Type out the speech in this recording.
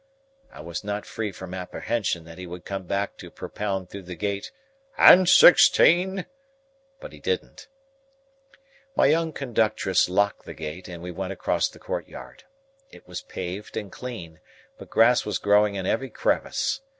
I was not free from apprehension that he would come back to propound through the gate, "And sixteen?" But he didn't. My young conductress locked the gate, and we went across the courtyard. It was paved and clean, but grass was growing in every crevice.